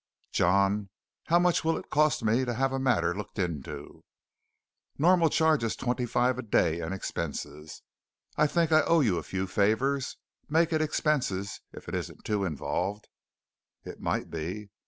"John, how much will it cost me to have a matter looked into?" "Normal charge is twenty five a day and expenses. I think I owe you a few favors. Make it expenses if it isn't too involved." "It might be."